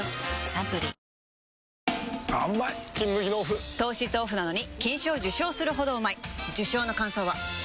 サントリーあーうまい「金麦」のオフ糖質オフなのに金賞受賞するほどうまい受賞の感想は？